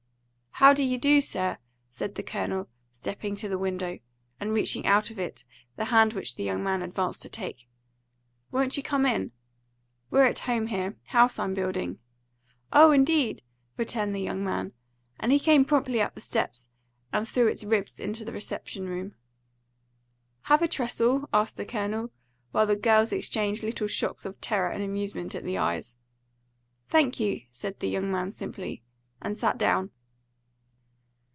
"How do you do, sir?" said the Colonel, stepping to the window, and reaching out of it the hand which the young man advanced to take. "Won't you come in? We're at home here. House I'm building." "Oh, indeed?" returned the young man; and he came promptly up the steps, and through its ribs into the reception room. "Have a trestle?" asked the Colonel, while the girls exchanged little shocks of terror and amusement at the eyes. "Thank you," said the young man simply, and sat down.